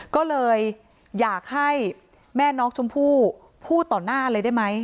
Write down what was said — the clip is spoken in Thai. ก็เลยอยากให้แม่น้องชมพู่พูดต่อหน้าเลยได้ไหม